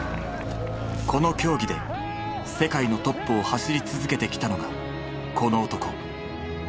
この競技で世界のトップを走り続けてきたのがこの男。